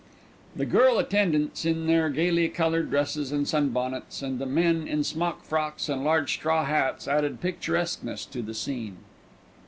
The girl attendants in their gaily coloured dresses and sun bonnets, and the men in smock frocks and large straw hats, added picturesqueness to the scene.